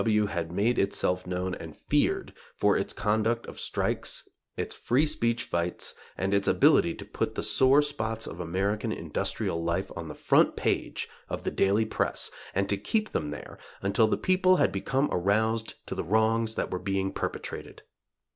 W. had made itself known and feared for its conduct of strikes, its free speech fights, and its ability to put the sore spots of American industrial life on the front page of the daily press and to keep them there until the people had become aroused to the wrongs that were being perpetrated.